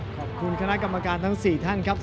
ขอบคุณคณะกรรมการทั้ง๔ท่านครับ